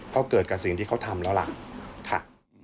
ก็เกิดกับสิ่งที่เขาทำแล้วล่ะค่ะ